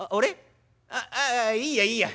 ああいいよいいよ